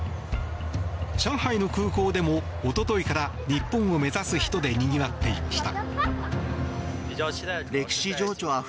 上海の空港でも一昨日から日本を目指す人でにぎわっていました。